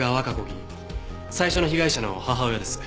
議員最初の被害者の母親です。